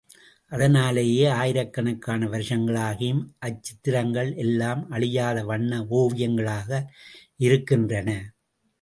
அதனாலேயே ஆயிரக்கணக்கான வருஷங்கள் ஆகியும், அச்சித்திரங்கள் எல்லாம் அழியாத வண்ண ஓவியங்களாக இருக்கின்றன.